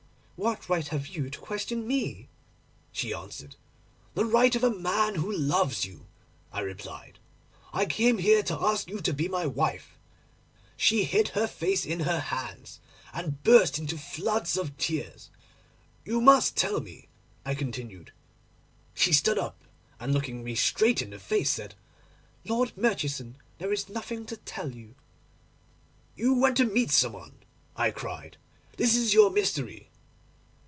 "What right have you to question me?" she answered. "The right of a man who loves you," I replied; "I came here to ask you to be my wife." She hid her face in her hands, and burst into floods of tears. "You must tell me," I continued. She stood up, and, looking me straight in the face, said, "Lord Murchison, there is nothing to tell you."—"You went to meet some one," I cried; "this is your mystery."